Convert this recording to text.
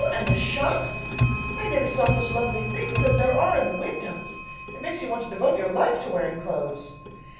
And the shops? I never saw such lovely things as there are in the windows. It makes you want to devote your life to wearing clothes.